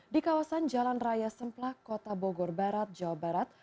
di kawasan jalan raya semplak kota bogor barat jawa barat